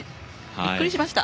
びっくりしました。